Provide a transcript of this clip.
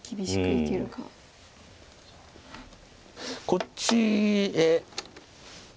こっちへ。